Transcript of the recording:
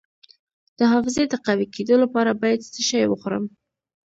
د حافظې د قوي کیدو لپاره باید څه شی وخورم؟